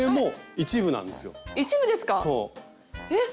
一部ですか⁉えっ